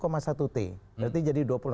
berarti jadi dua puluh delapan